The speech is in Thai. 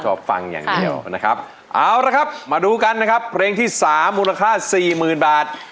ชอบฟังอย่างเดียวนะครับเอาละครับมาดูกันนะครับเพลงที่๓มูลค่า๔๐๐๐๐บาท